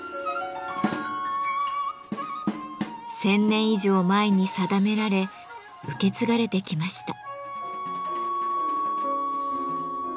１，０００年以上前に定められ受け継がれてきました。